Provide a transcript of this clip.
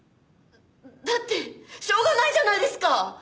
だってしょうがないじゃないですか！